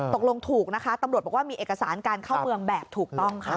ตกลงถูกนะคะตำรวจบอกว่ามีเอกสารการเข้าเมืองแบบถูกต้องค่ะ